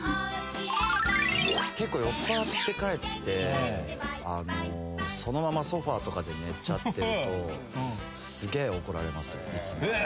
「結構酔っぱらって帰ってそのままソファとかで寝ちゃってるとすげえ怒られますいつも」